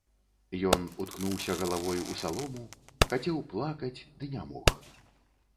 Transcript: Ён уткнуўся галавой у салому, хацеў плакаць, ды не мог.